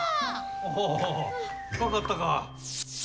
おお、かかったか？